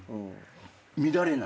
乱れない？